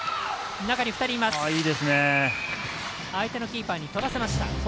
相手のキーパーにとらせました。